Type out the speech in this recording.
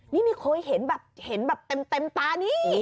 นี่มีใครเห็นแบบเต็มตานี้